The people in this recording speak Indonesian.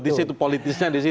itu politisnya disitu